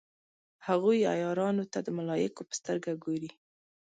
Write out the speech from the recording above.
هغوی عیارانو ته د ملایکو په سترګه ګوري.